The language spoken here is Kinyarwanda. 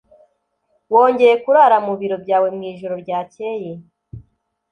Wongeye kurara mu biro byawe mwijoro ryakeye?